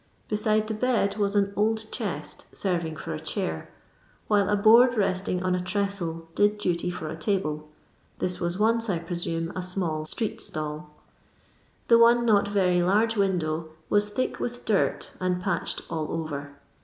Beside the bed was an old chest, serving for a chair, ^ hile a board resting on a trestle did duty fur a table (this was once, I presume, a small street still). The one not very large window was thick with dirt and patched all over.